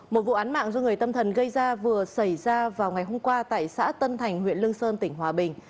một vụ án mạng do người tâm thần gây ra vừa xảy ra vào ngày hôm qua tại xã tân thành huyện lương sơn tỉnh hòa bình